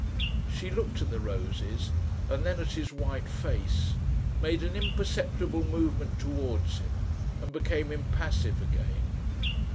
She looked at the roses, and then at his white face, made an imperceptible movement towards him, and became impassive again.